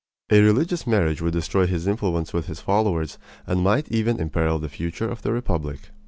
A religious marriage would destroy his influence with his followers and might even imperil the future of the republic.